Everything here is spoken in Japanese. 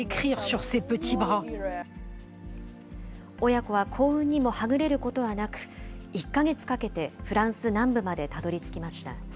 親子は幸運にもはぐれることはなく、１か月かけてフランス南部までたどりつきました。